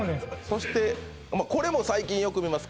そしてこれも最近よく見ます